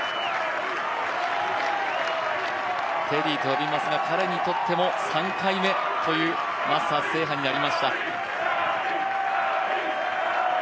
テディーと呼びますが、彼にとっても３回目というマスターズ制覇になりました。